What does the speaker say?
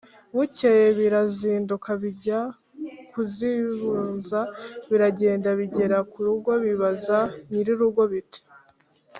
bukeye birazinduka bijya kuzibunza, biragenda bigera ku rugo, bibaza nyir’urugo biti: